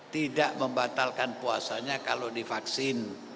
tidak membatalkan puasanya kalau divaksin